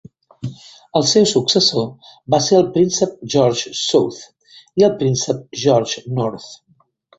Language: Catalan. El seu successor va ser el príncep George South i el príncep George North.